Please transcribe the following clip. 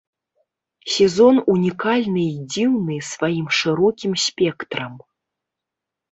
Сезон унікальны і дзіўны сваім шырокім спектрам.